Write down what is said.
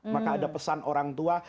maka ada pesan orang tua